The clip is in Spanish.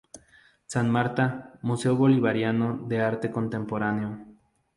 Santa Marta, Museo Bolivariano de Arte Contemporáneo.